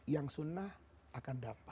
yang sunnah akan dapat